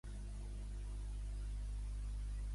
Se serveixen amb nata i ou i s'afigen algunes tàperes.